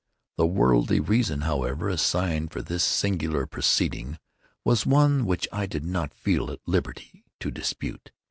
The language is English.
The worldly reason, however, assigned for this singular proceeding, was one which I did not feel at liberty to dispute.